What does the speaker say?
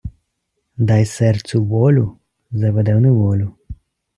Дай серцю волю — заведе в неволю.